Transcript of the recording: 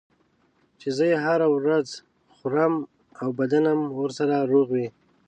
چې زه یې هره ورځ خورم او بدنم ورسره روغ وي.